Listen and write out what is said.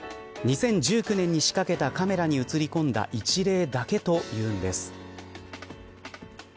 ２０１９年に仕掛けたカメラに映り込んだ一例だけというんです。